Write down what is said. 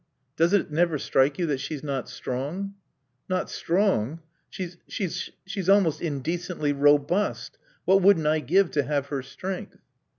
Does it never strike you that she's not strong?" "Not strong? She's she's almost indecently robust. What wouldn't I give to have her strength!"